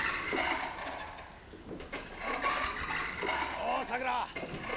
おうさくら！